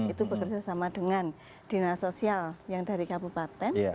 itu bekerja sama dengan dinas sosial yang dari kabupaten